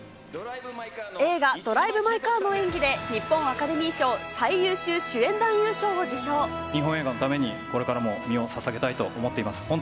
映画、ドライブ・マイ・カーの演技で日本アカデミー賞、最優秀主演男優日本映画のためにこれからも身をささげたいと思っています。